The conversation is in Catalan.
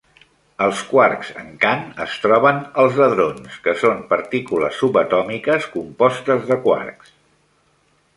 Els quarks encant es troben als hadrons, que són partícules subatòmiques compostes de quarks.